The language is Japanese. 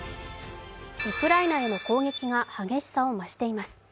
ウクライナへの攻撃が激しさを増しています。